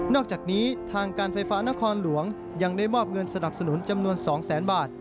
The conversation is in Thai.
อกจากนี้ทางการไฟฟ้านครหลวงยังได้มอบเงินสนับสนุนจำนวน๒แสนบาท